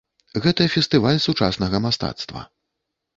Гэта фестываль сучаснага мастацтва.